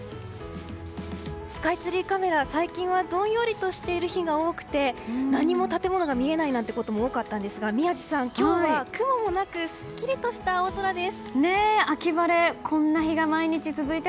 スカイツリーカメラ、最近はどんよりとしている日が多くて何も建物が見えないということが多かったんですが今日は雲もなくすっきりとした秋晴れでした。